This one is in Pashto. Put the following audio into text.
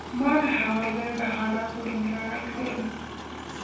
ما له هغه ځایه د حالاتو ننداره کوله